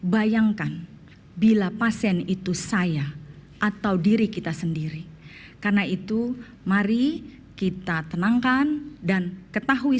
bayangkan bila pasien itu saya atau diri kita sendiri karena itu mari kita tenangkan dan ketahui